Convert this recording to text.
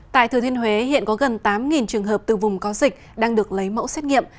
tại thừa thiên huế hiện có gần tám trường hợp từ vùng có dịch đang được lấy mẫu xét nghiệm